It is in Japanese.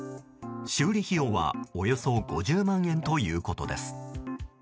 修理費用はおよそ５０万円ということです。